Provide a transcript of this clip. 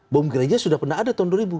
bom gereja sudah pernah ada tahun dua ribu